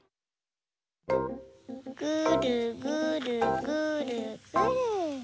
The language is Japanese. ぐるぐるぐるぐる。